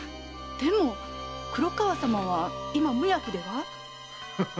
でも黒河様は今無役では？